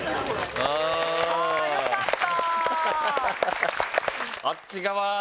あぁよかった！